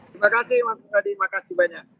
terima kasih mas raditya terima kasih banyak